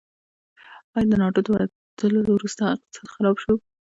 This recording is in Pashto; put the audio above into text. آیا د ناټو د وتلو وروسته اقتصاد خراب شو؟